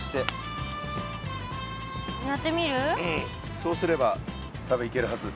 そうすれば多分いけるはず。